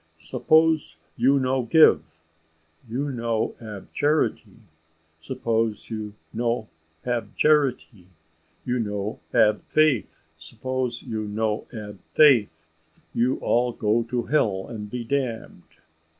Suppose you no give you no ab charity; suppose you no ab charity you no ab faith; suppose you no ab faith you all go to hell and be damned.